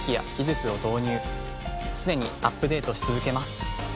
常にアップデートし続けます。